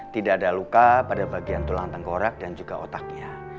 tidak ada luka pada bagian tulang tenggorak dan juga otaknya